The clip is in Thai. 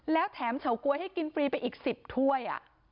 แล้วแถมเฉาก๊วยให้กินฟรีไปอีก๑๐ถ้วย